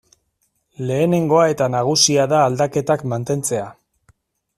Lehenengoa eta nagusia da aldaketak mantentzea.